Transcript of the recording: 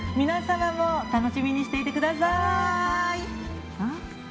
皆様も楽しみにしていてください。